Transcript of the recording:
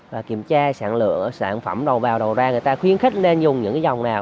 và kiểm tra sản lựa sản phẩm đầu vào đầu ra người ta khuyến khích nên dùng những cái dòng nào